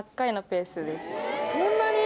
そんなに？